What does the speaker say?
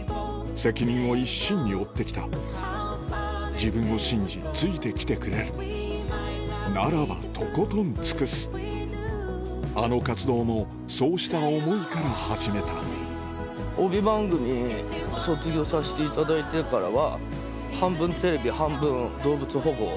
自分を信じついてきてくれるならばとことん尽くすあの活動もそうした思いから始めた帯番組卒業させていただいてからは。